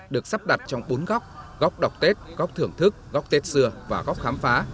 được sắp đặt trong bốn góc góc đọc tết góc thưởng thức góc tết xưa và góc khám phá